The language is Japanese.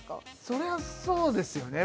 そりゃそうですよね